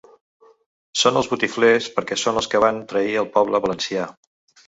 Són els botiflers perquè són els que van trair el poble valencià.